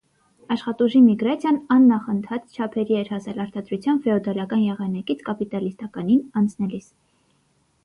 Աշխատուժի միգրացիան աննախընթաց չափերի էր հասել արտադրության ֆեոդալական եղանակից կապիտալիստականին անցնելիս։